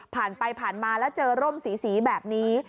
ผ่านไปผ่านมาแล้วเจอร่มสีแบบนี้